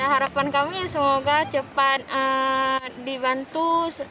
harapan kami semoga cepat dibantu